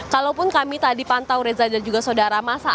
kalau pun kami tadi pantau reza dan juga saudara